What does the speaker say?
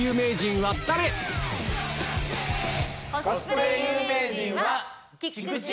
コスプレ有名人は。